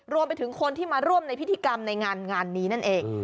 รวมไปถึงคนที่มาร่วมในพิธีกรรมในงานนี้นั่นเอง